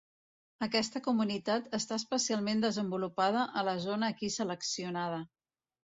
Aquesta comunitat està especialment desenvolupada a la zona aquí seleccionada.